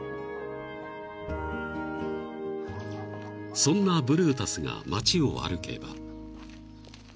［そんなブルータスが街を歩けば］